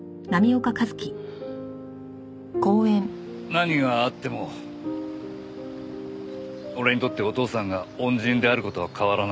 何があっても俺にとってお父さんが恩人である事は変わらないんだ。